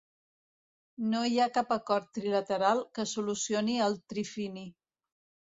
No hi ha cap acord trilateral que solucioni el trifini.